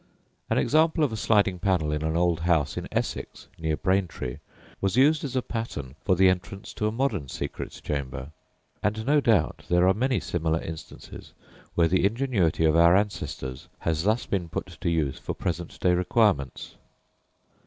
An example of a sliding panel in an old house in Essex (near Braintree) was used as a pattern for the entrance to a modern secret chamber; and no doubt there are many similar instances where the ingenuity of our ancestors has thus been put to use for present day requirements.